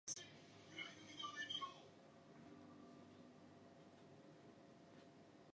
An incentive spirometer is often used as part of the breathing exercises.